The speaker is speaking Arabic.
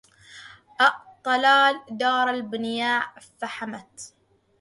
أأطلال دار بالنياع فحمت